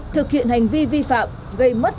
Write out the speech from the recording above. thực hiện hành vi vi phạm gây mất